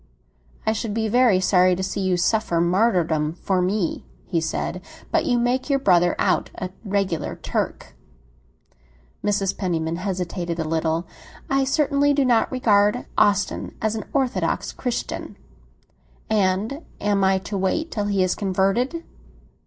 "I should be very sorry to see you suffer martyrdom for me," he said. "But you make your brother out a regular Turk." Mrs. Penniman hesitated a little. "I certainly do not regard Austin as a satisfactory Christian." "And am I to wait till he is converted?"